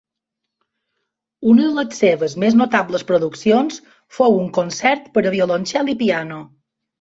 Una de les seves més notables produccions fou un concert per a violoncel i piano.